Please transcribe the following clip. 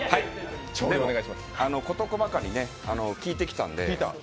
事細かに聞いてきたので。